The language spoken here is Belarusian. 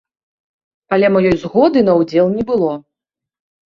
Але маёй згоды на ўдзел не было.